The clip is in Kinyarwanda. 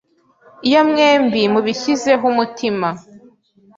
Iyo mwembi mubishyizeho umutima,